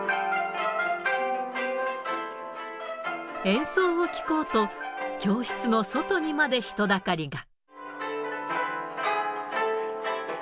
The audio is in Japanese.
演奏を聴こうと、教室の外にまで人だかりが。